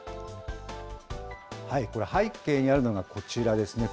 これ、背景にあるのがこちらですね。